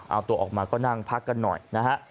เอาตัวออกมาก็นั่งพักกันหน่อยนะฮะ